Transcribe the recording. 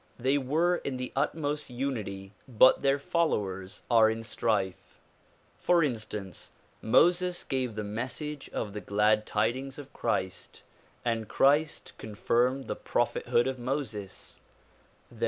They were in the utmost unity but their followers are in strife. For instance, Moses gave the message of the glad tidings of Christ and Christ confirmed the prophethood of Moses.